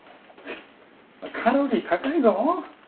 カロリー高いぞ。